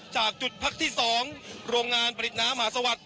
จากจุดพักที่๒โรงงานผลิตน้ำมหาสวัสดิ